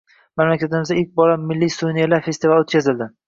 Mamlakatimizda ilk bor “Milliy suvenirlar” festivali o‘tkazilding